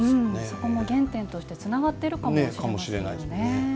そこも原点としてつながっているかもしれません。